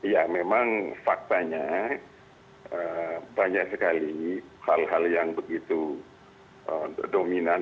ya memang faktanya banyak sekali hal hal yang begitu dominan